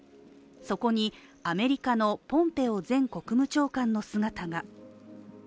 そこに、アメリカのポンペオ前国務長官の姿が。